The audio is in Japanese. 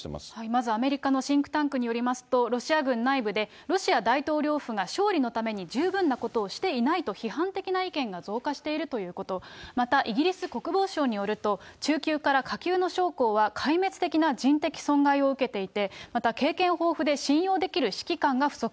まずアメリカのシンクタンクによりますと、ロシア軍内部で、ロシア大統領府が勝利のために十分なことをしていないと批判的な意見が増加しているということ、また、イギリス国防省によると、中級から下級の将校は壊滅的な人的損害を受けていて、また経験豊富で信用できる指揮官が不足。